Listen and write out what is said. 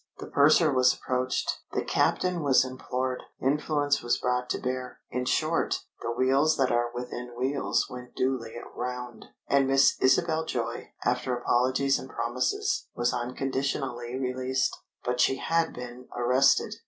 The purser was approached. The captain was implored. Influence was brought to bear. In short the wheels that are within wheels went duly round. And Miss Isabel Joy, after apologies and promises, was unconditionally released. But she had been arrested.